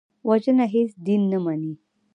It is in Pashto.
وژنه هېڅ دین نه مني